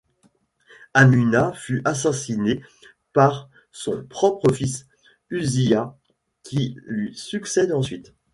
Ammuna fut assassiné par son propre fils, Huzziya, qui lui succède ensuite.